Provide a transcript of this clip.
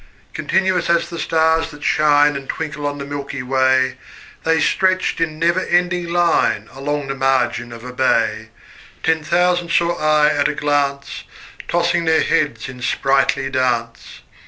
Continuous as the stars that shine And twinkle on the milky way, The stretched in never ending line Along the margin of a bay: Ten thousand saw I at a glance, Tossing their heads in sprightly dance.